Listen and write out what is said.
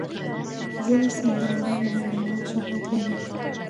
ځینې سندرغاړي نړیوال شهرت لري.